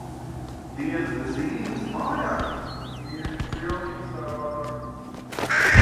Dienas bez Īves mājās, ir pilnīgi savādākas.